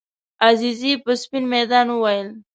عزیزي په سپین میدان وویل.